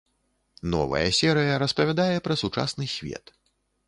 Новая серыя распавядае пра сучасны свет.